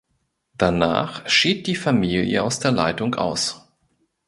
Danach schied die Familie aus der Leitung aus.